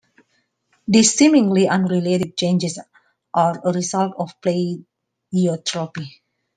These seemingly unrelated changes are a result of pleiotropy.